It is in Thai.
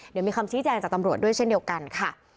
เดี๋ยวมีคำชี้แจงจากตำรวจด้วยเช่นเดียวกันค่ะ